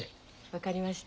分かりました。